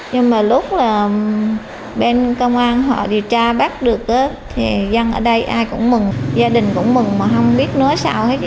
nhưng mà lúc là bên công an họ điều tra bắt được thì dân ở đây ai cũng mừng gia đình cũng mừng mà không biết nói sau hết